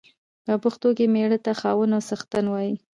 په پښتو کې مېړه ته خاوند او څښتن وايي.